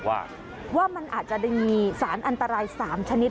ว่ามันอาจจะได้มีสารอันตราย๓ชนิด